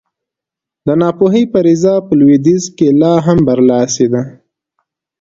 د ناپوهۍ فرضیه په لوېدیځ کې لا هم برلاسې ده.